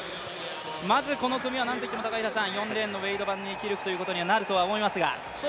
まずこの組は何といっても４レーンのウェイド・バンニーキルクということになるとは思いますが。